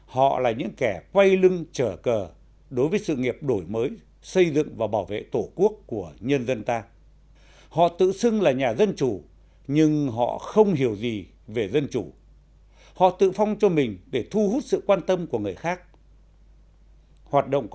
họ là những người triệt để lợi dụng các chiêu bài về tự do dân chủ nhân quyền đa nguyên chính trị đa đảng